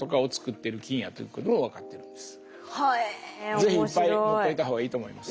是非いっぱい持っといた方がいいと思います。